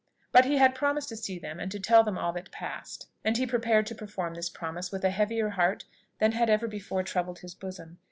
But he had promised to see them and to tell them all that passed; and he prepared to perform this promise with a heavier heart than had ever before troubled his bosom.